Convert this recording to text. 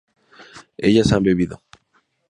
¿ellas han bebido?